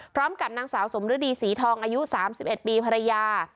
พร้อมกับนางสาวสมฤดีศรีทองอายุสามสิบเอ็ดปีภรรยา